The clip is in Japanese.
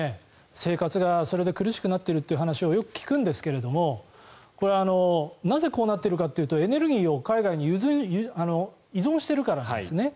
生活がそれで苦しくなっているという話をよく聞くんですがなぜ、こうなっているかというとエネルギーを海外に依存しているからなんですね。